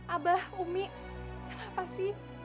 abah umi kenapa sih